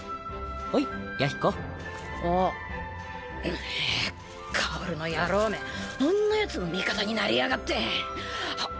う薫の野郎めあんなやつの味方になりやがって。